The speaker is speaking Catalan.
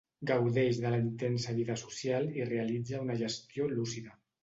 Gaudeix de la intensa vida social i realitza una gestió lúcida.